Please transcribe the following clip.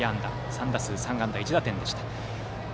３打数３安打１打点でした。